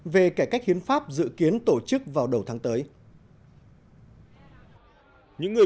về cải cách hiến pháp dự kiến tổ chức vào đầu tháng tới